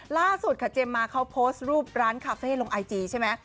ล่าสุดค่ะเจมส์มาเขาโพสต์รูปร้านคาเฟ่ลงไอจีใช่ไหม